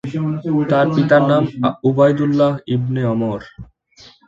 তার পিতার নাম উবাইদুল্লাহ ইবনে আমর।